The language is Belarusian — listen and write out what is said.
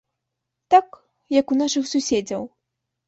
Так, як у нашых суседзяў.